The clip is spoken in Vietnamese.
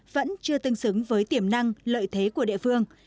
vẫn chưa tương xứng với tiềm năng lợi thế của địa phương